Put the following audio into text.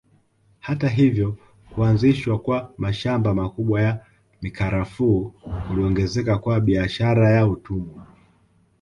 Hata hivyo kuanzishwa kwa mashamba makubwa ya mikarafuu kuliongezeka kwa biashara ya utumwa